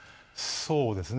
そうですね